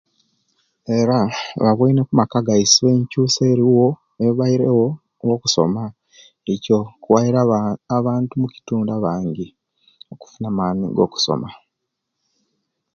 Era bawoine omumaka gaisu enkyuka eriwo ebairewo olwo'kusoma; ekyo kiwaile abantu omukitundu abandi okufuna amaani agakusoma.